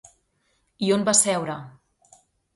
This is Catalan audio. I on va seure?